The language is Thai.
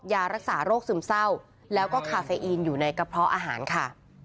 ยารักษาโรคซึมเศร้าแล้วก็คาเฟอีนอยู่ในกระเพาะอาหารค่ะ